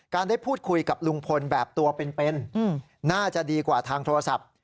ได้พูดคุยกับลุงพลแบบตัวเป็นน่าจะดีกว่าทางโทรศัพท์